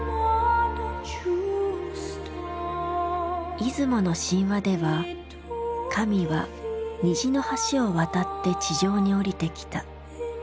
出雲の神話では神は虹の橋を渡って地上におりてきた。